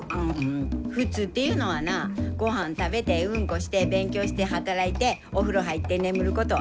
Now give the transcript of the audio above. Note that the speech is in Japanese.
普通っていうのんはなごはん食べてうんこして勉強して働いてお風呂入って眠ること！